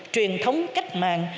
truyền thống cách mạng